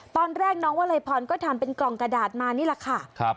ตอนแรกน้องวลัยพรก็ทำเป็นกล่องกระดาษมานี่แหละค่ะ